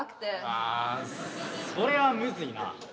あそれはむずいな。